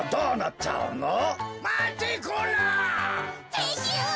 てっしゅう！